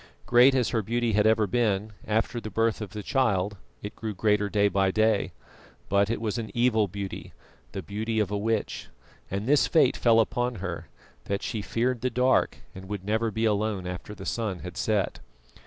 Great as her beauty had ever been, after the birth of the child it grew greater day by day, but it was an evil beauty, the beauty of a witch; and this fate fell upon her, that she feared the dark and would never be alone after the sun had set.